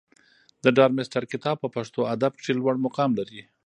د ډارمستتر کتاب په پښتو ادب کښي لوړ مقام لري.